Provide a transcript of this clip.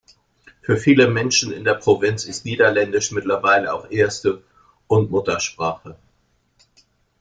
Für viele Menschen in der Provinz ist Niederländisch mittlerweile auch erste und Muttersprache.